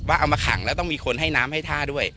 เอามาขังแล้วต้องมีคนให้น้ำให้ท่าด้วย